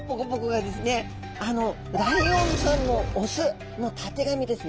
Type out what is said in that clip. あのライオンさんの雄のたてがみですね。